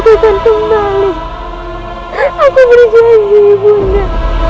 aku berjanji bunda